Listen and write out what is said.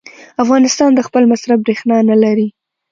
افغانستان د خپل مصرف برېښنا نه لري.